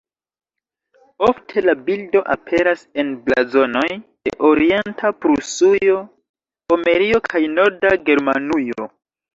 Ofte la bildo aperas en blazonoj de Orienta Prusujo, Pomerio kaj Norda Germanujo.